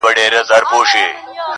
هغه بل موږك را ودانگل ميدان ته،